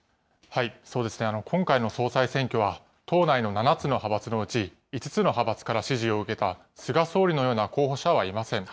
そうですね、今回の総裁選挙は、党内の７つの派閥のうち、５つの派閥から支持を受けた菅総理のような候補者はいません。